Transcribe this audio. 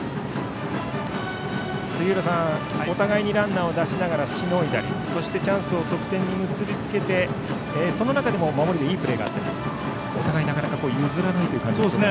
杉浦さん、お互いにランナーを出しながらしのいだりそしてチャンスを得点に結びつけてその中でも守りでいいプレーがあったりお互い、なかなか譲らないという感じですね。